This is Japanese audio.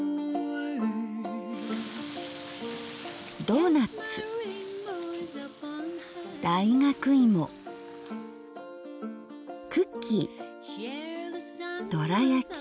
ドーナツ大学芋クッキーどら焼き。